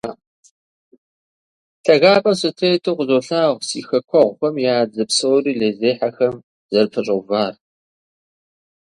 Лъагапӏэм сытету къызолъагъу, си хэкуэгъухэм я дзэ псори лейзехьэхэм зэрыпэщӏагъэувар.